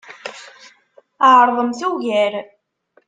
Ɛeṛḍemt ugar.